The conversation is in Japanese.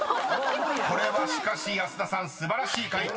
［これはしかし保田さん素晴らしい解答。